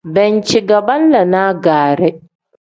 Banci ge banlanaa gaari.